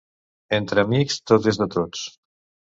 Entre amics, tot és de tots.